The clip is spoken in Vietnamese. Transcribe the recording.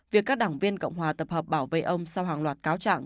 việc các đảng viên cộng hòa tập hợp bảo vệ ông